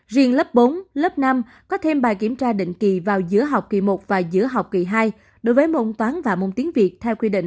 riêng lớp bốn lớp năm có thêm bài kiểm tra định kỳ vào giữa học kỳ một và giữa học kỳ hai đối với môn toán và môn tiếng việt theo quy định